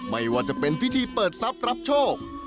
ไม่ว่าจะเป็นพิธีเปิดทรัพย์รับโชค